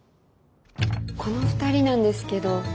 この２人なんですけど。